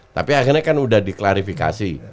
tapi akhirnya kan udah diklarifikasi